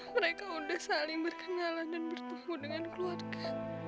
mereka sudah saling berkenalan dan bertemu dengan keluarga